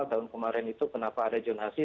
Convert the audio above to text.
tahun kemarin itu kenapa ada jonasi